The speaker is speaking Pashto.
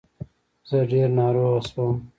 زه ډير ناروغه شوم